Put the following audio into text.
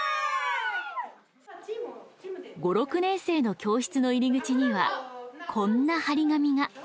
５・６年生の教室の入り口にはこんな貼り紙が。